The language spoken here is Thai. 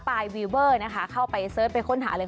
วีเวอร์นะคะเข้าไปเสิร์ชไปค้นหาเลย